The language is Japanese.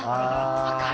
分かる。